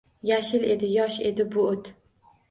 Yashil edi, yosh edi bu oʻt